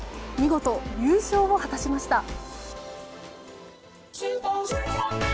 見事優勝を果たしました。